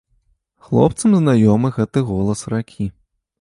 Хлопцам знаёмы гэты голас ракі.